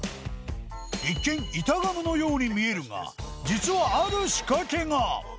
一見板ガムのように見えるが実はある仕掛けが！